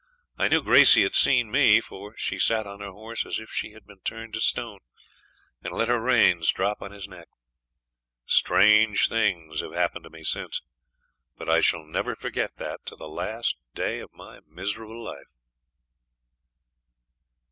I knew Gracey had seen me, for she sat on her horse as if she had been turned to stone, and let her reins drop on his neck. Strange things have happened to me since, but I shall never forget that to the last day of my miserable life.